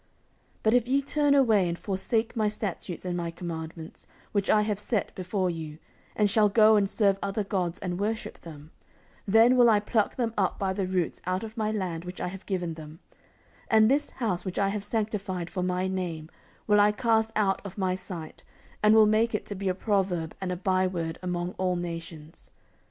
14:007:019 But if ye turn away, and forsake my statutes and my commandments, which I have set before you, and shall go and serve other gods, and worship them; 14:007:020 Then will I pluck them up by the roots out of my land which I have given them; and this house, which I have sanctified for my name, will I cast out of my sight, and will make it to be a proverb and a byword among all nations.